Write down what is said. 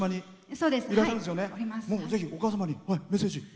ぜひ、お母様にメッセージ。